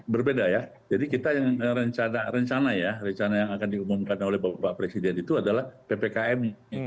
berbeda ya jadi kita yang rencana ya rencana yang akan diumumkan oleh bapak presiden itu adalah ppkm